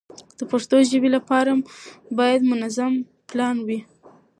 د پښتو ژبې لپاره باید منظم پلان وي.